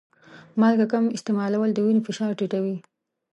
مالګه کم استعمالول د وینې فشار ټیټوي.